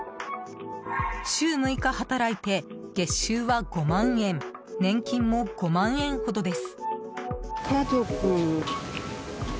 週６日働いて月収は５万円年金も５万円ほどです。